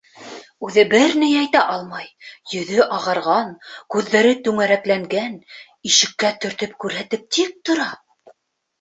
Үҙе бер ни әйтә алмай, йөҙө ағарған, күҙҙәре түңәрәкләнгән, ишеккә төртөп күрһәтеп тик тора.